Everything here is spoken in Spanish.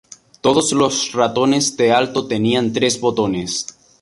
Todos los ratones del Alto tenían tres botones.